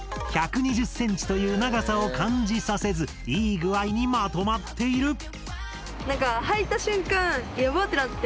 １２０ｃｍという長さを感じさせずいい具合にまとまっている！